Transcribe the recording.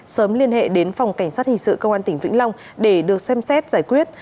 sớm liên hệ đến phòng cảnh sát hình sự công an tỉnh vĩnh long để được xem xét giải quyết